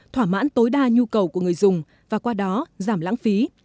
thỏa mãn tối đa nhu cầu của người dùng và qua đó giảm lãng phí